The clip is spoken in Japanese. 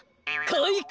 かいか！